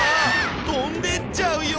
飛んでっちゃうよ！